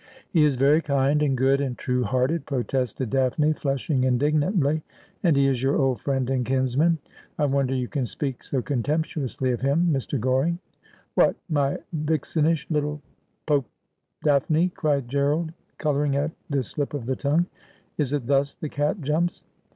' He is very kind and good and true hearted,' protested Daphne, flushing indignantly; 'and he is your old friend and kinsman. I wonder you can speak so contemptuously of him, Mr. Goring.' 'What, my vixenish little Pop— Daphne,' cried Gerald, 'And Spending Silver had He right Ynoiv.^ 113 colouring at this slip of the tongue, ' is it thus the cat jumps